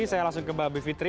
saya langsung ke mbak bivitri